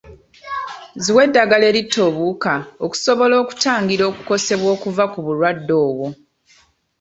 Ziwe eddagala eritta obuwuka okusobola okutangira okukosebwa okuva ku bulwadde obwo.